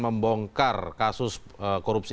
membongkar kasus korupsi